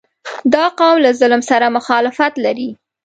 • دا قوم له ظلم سره مخالفت لري.